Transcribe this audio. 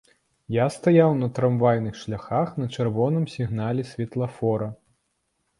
Я стаяў на трамвайных шляхах на чырвоным сігнале святлафора.